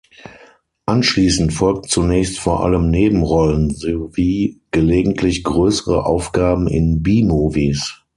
Anschließend folgten zunächst vor allem Nebenrollen sowie gelegentlich größere Aufgaben in B-Movies.